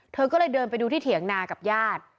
เธอก็เลยเดินไปดูที่เถียงนากับญาติ